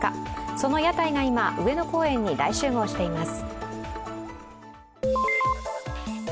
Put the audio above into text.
その屋台が今、上野公園に大集合しています。